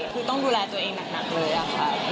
คือต้องดูแลตัวเองหนักเลยค่ะ